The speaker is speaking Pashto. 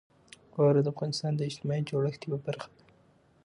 واوره د افغانستان د اجتماعي جوړښت یوه برخه ده.